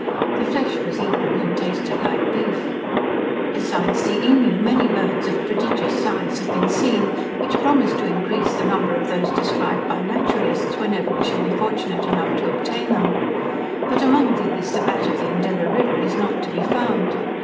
The flesh was eaten, and tasted like beef. Besides the emu, many birds of prodigious size have been seen, which promise to increase the number of those described by naturalists, whenever we shall be fortunate enough to obtain them; but among these the bat of the Endeavour River is not to be found.